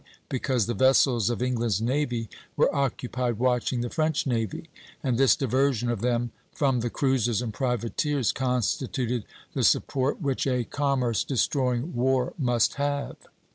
Because the vessels of England's navy were occupied watching the French navy, and this diversion of them from the cruisers and privateers constituted the support which a commerce destroying war must have.